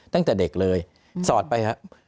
ตั้งแต่เด็กเลยสอดไปครับ